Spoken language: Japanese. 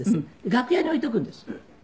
楽屋に置いとくんです。